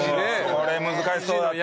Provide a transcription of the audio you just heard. これ難しそうだね。